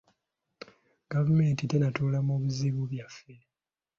Gavumenti tennatunula mu buzibu byaffe.